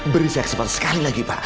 beri saya kesempatan sekali lagi pak